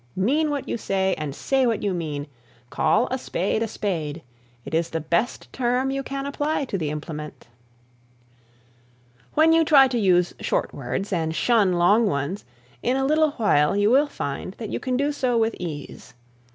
Mean what you say and say what you mean; call a spade a spade, it is the best term you can apply to the implement. When you try to use short words and shun long ones in a little while you will find that you can do so with ease.